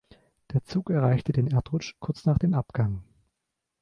Der Zug erreichte den Erdrutsch kurz nach dem Abgang.